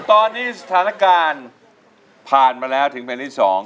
ตอนนี้สถานการณ์ผ่านมาแล้วถึงเพลงที่๒